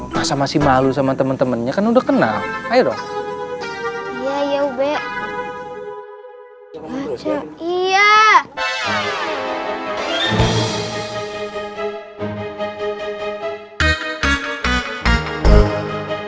masa masih malu sama temen temennya kan udah kenal ayo dong